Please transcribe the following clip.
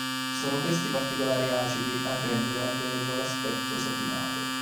Sono questi particolari acidi a rendere al vetro l'aspetto satinato.